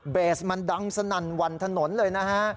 เบสมันดังสนั่นวันถนนเลยนะฮะ